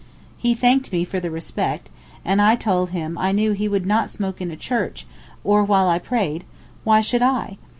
He thanked me for the respect, and I told him I knew he would not smoke in a church, or while I prayed; why should I?